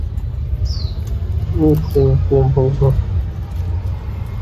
राज्यपाल ने सोरेन को सरकार बनाने का न्यौता दिया